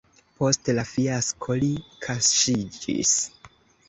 Post la fiasko li kaŝiĝis.